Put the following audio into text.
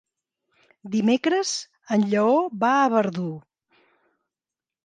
Dimecres en Lleó va a Verdú.